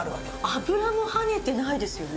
油もはねてないですよね。